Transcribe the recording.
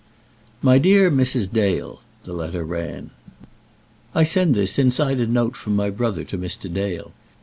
MY DEAR MRS. DALE [the letter ran], I send this inside a note from my brother to Mr. Dale.